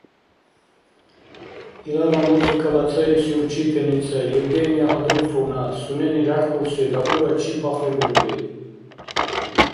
Илала музыкала цаибси учительница Евгения Адольфовна сунени ряркъурси Луарачи пахрубирули.